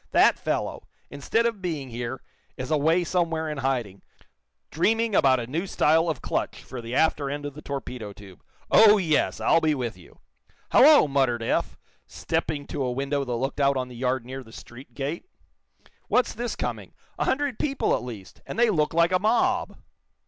That fellow, instead of being here, is away somewhere in hiding, dreaming about a new style of clutch for the after end of the torpedo tube. Oh, yes, I'll be with you!" "Hallo!" muttered Eph, stepping to a window that looked out on the yard near the street gate. "What's this coming? A hundred people, at least, and they look like a mob!"